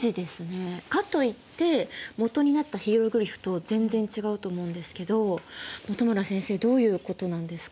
かといって基になったヒエログリフと全然違うと思うんですけど本村先生どういうことなんですか？